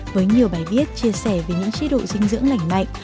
với nhiều bài viết chia sẻ về những chế độ dinh dưỡng lảnh mạnh